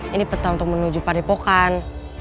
ini peta untuk menuju padepokan